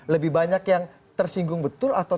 lebih banyak yang tersinggung betul atau